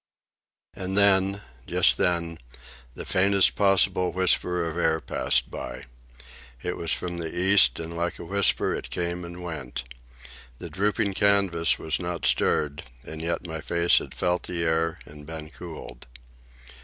And then, just then, the faintest possible whisper of air passed by. It was from the east, and like a whisper it came and went. The drooping canvas was not stirred, and yet my face had felt the air and been cooled.